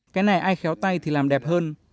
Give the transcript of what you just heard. cái này ai khéo tay thì làm đẹp hơn